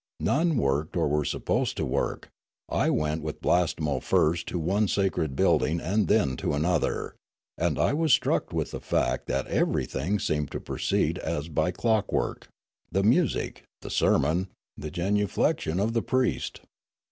None worked or were supposed to work. I went with Blastemo first to one sacred building and then to another ; and I was struck with the fact that everything seemed to proceed as by clockwork, the nuisic, the sermon, the genuflections of the priest.